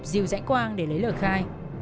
diều dãnh quang để lấy lời khai